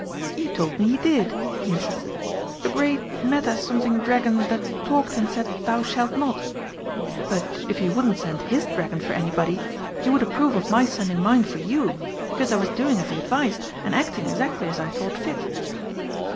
"You told me he did," he insisted; "a great meta something dragon that talked and said, 'Thou shalt not.' But if he wouldn't send his dragon for anybody, he would approve of my sending mine for you, because I was doing as he advised, and acting exactly as I thought fit."